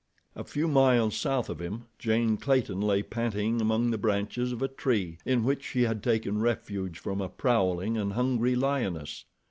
A few miles south of him, Jane Clayton lay panting among the branches of a tree in which she had taken refuge from a prowling and hungry lioness.